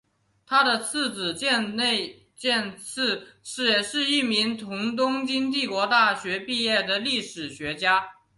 他的次子箭内健次也是一名从东京帝国大学毕业的历史学家。